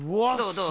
どう？